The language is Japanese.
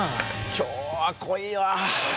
今日は濃いわ。